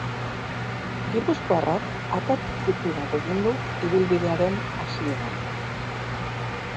Gipuzkoarrak akats txiki bat egin du ibilbidearen hasieran.